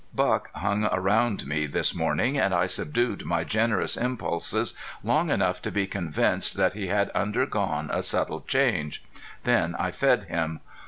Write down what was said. Buck hung around me this morning, and I subdued my generous impulses long enough to be convinced that he had undergone a subtle change. Then I fed him.